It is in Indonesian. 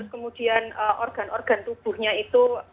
kemudian organ organ tubuhnya itu